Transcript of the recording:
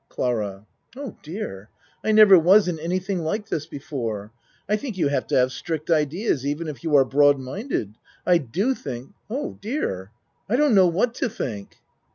CLARA Oh, dear! I never was in anything like this before. I think you have to have strict ideas even if you are broadminded. I do think Oh, dear! I don't know what to think.